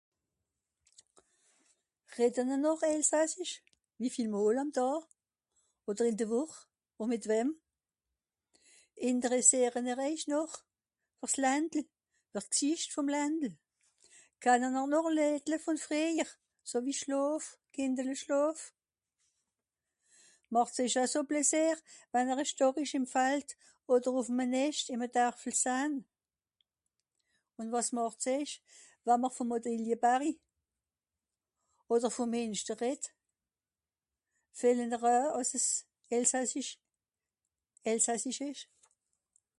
reden'r noch elsassisch wie viel mol àm daa oder ìn de woch ùn mit wem ìnteressiere nr eich noch ver s'lände ver sicht vòn ländel kannen'r noch ledle vòn freijer sowie schlàf kìndele schlàf màch's eij euj so plaisier wann'r a storich ìm fald oder ùff'm a necht ìm a darfel sahn ùn wàs màchst eich wann vòm odilie bari oder vòm mìnster ret fehlen'r eu ass'es elsassisch elsassich esch